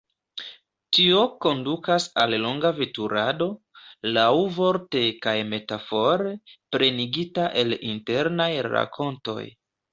Tio kondukas al longa veturado, laŭvorte kaj metafore, plenigita el internaj rakontoj.